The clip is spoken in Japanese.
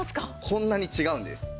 こんなに違うんです。